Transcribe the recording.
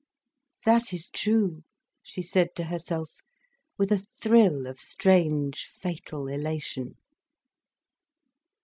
"That is true," she said to herself, with a thrill of strange, fatal elation.